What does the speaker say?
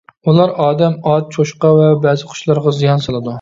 ئۇلار ئادەم، ئات، چوشقا ۋە بەزى قۇشلارغا زىيان سالىدۇ.